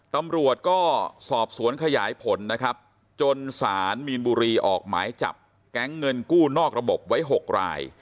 ตำรวจก็สอบสวนขยายผลนะครับจนสารมีนบุรีออกหมายจับแก๊งเงินกู้นอกระบบไว้๖ราย